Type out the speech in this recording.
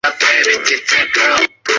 国立高雄科技大学第一校区。